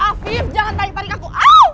afif jangan tarik tarik aku